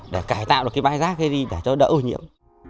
để cải tạo được cái bãi rác này đi để đỡ ưu nhiễm